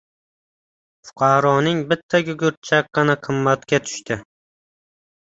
Fuqaroning bitta gugurt chaqqani qimmatga tushdi